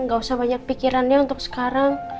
gak usah banyak pikirannya untuk sekarang